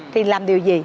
thì làm điều gì